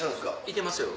いてますよ。